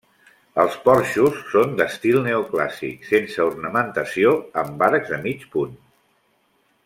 Els porxos són d'estil neoclàssic sense ornamentació amb arcs de mig punt.